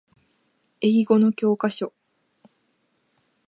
英語の教科書